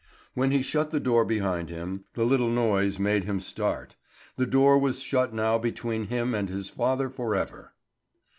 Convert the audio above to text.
When he shut the door behind him, the little noise made him start. The door was shut now between him and his father for ever.